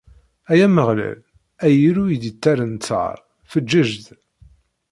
Ay Ameɣlal, ay Illu i d-ittarran ttar, feǧǧeǧ-d!